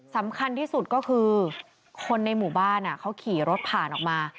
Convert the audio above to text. สำคัญที่สุดก็คือคนในหมู่บ้านเขาขี่รถผ่านออกมา